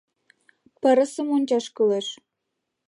Пырысым ончаш кӱлеш.